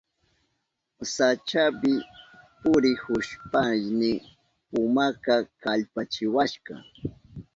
Sachapi purihushpayni pumaka kallpachiwashka.